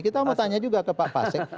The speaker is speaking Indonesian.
kita mau tanya juga ke pak pak sek